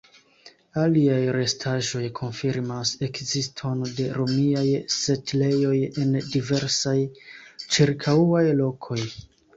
Aliaj restaĵoj konfirmas ekziston de romiaj setlejoj en diversaj ĉirkaŭaj lokoj.